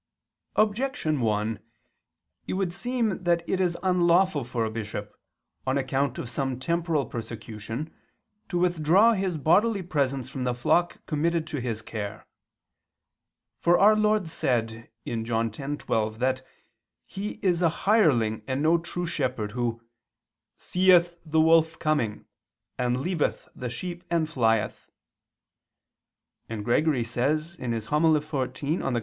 Objection 1: It would seem that it is unlawful for a bishop, on account of some temporal persecution, to withdraw his bodily presence from the flock committed to his care. For our Lord said (John 10:12) that he is a hireling and no true shepherd, who "seeth the wolf coming, and leaveth the sheep and flieth": and Gregory says (Hom. xiv in Ev.)